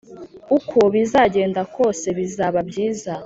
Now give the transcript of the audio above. uko bizagenda kose bizaba byiza